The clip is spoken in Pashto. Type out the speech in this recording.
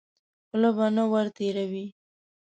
خوله به نه ور تېروې.